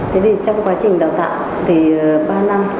thế thì trong quá trình đào tạo thì ba năm